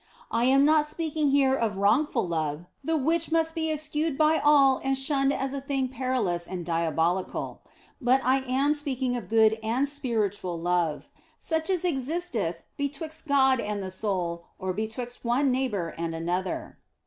I am not speaking here of wrongful love, the which must be eschewed by all and shunned as a thing perilous and diabolical, but I am speaking of good and spiritual love, such as existeth be twixt God and the soul, or betwixt one neighbour and another.